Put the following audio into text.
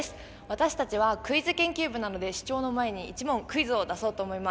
私たちはクイズ研究部なので主張の前に１問クイズを出そうと思います。